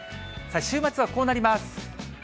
週末はこうなります。